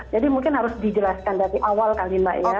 jadi mungkin harus dijelaskan dari awal kali mbak ya